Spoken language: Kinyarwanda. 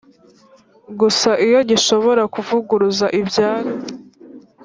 gusa iyo gishobora kuvuguruza ibyari